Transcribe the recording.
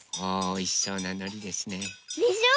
おいしそうなのりですね。でしょ？